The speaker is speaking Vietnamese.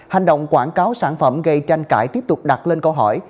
hành động quảng cáo sản phẩm gây tranh cãi tiếp tục đặt lên câu hỏi